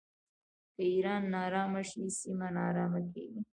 که ایران ناارامه شي سیمه ناارامه کیږي.